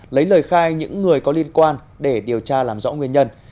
lấy lời khai những người có liên quan để điều tra làm rõ nguyên nhân